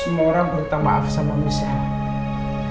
semua orang minta maaf sama misal